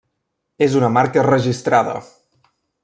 És una marca registrada.